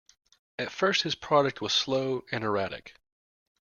At first his progress was slow and erratic.